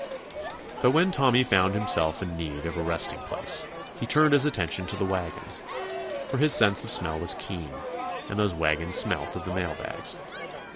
But when Tommy found himself in need of a resting place he turned his attention to the wagons, for his sense of smell was keen, and those wagons smelt of the mail bags.